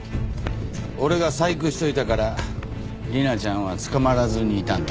俺が細工しといたから理奈ちゃんは捕まらずにいたんだ。